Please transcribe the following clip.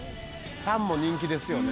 タンも人気ですよね。